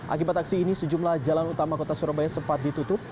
akibat aksi ini sejumlah jalan utama kota surabaya sempat ditutup